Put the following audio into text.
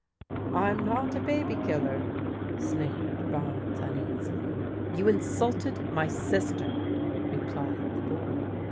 " I'm not a baby killA," sniggered Barnes uneasily. " You insulted my sister," replied the boy.